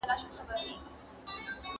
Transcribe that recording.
کنه زور مو اوبه سوی دئ د زړونو